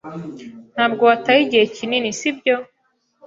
Ntabwo wataye igihe kinini, sibyo?